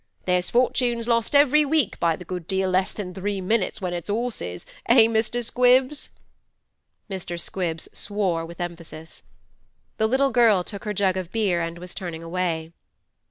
There's fortunes lost every week by a good deal less than three minutes when it's 'orses—eh, Mr. Squibbs?' Mr. Squibbs swore with emphasis. The little girl took her jug of beer and was turning away.